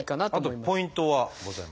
あとポイントはございますか？